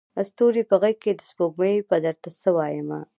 ستوري په غیږکي د سپوږمۍ به درته څه وایمه